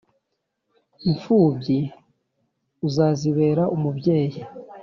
Imfubyi, uzazibere umubyeyi,